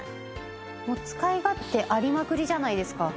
もう使い勝手ありまくりじゃないですか。